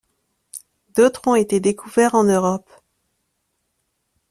D'autres ont été découverts en Europe.